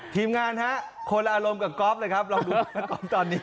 ทีมงานฮะคนอารมณ์กับกอล์ฟเลยครับ